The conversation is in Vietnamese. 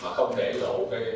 mà không để lộ